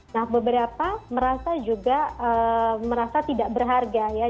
nah beberapa merasa juga merasa tidak berharga ya